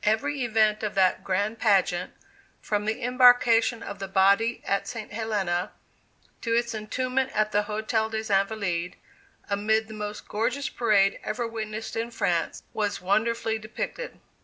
Every event of that grand pageant, from the embarkation of the body at St. Helena, to its entombment at the Hotel des Invalides, amid the most gorgeous parade ever witnessed in France, was wonderfully depicted.